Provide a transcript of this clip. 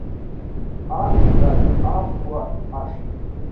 A = a × h.